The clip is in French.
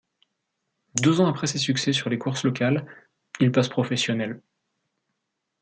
Deux ans après ses succès sur les courses locales, il passe professionnel.